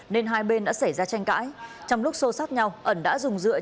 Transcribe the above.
nên hai bên đã xảy ra tranh cãi